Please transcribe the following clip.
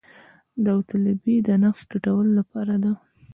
داوطلبي د نرخ ټیټولو لپاره ده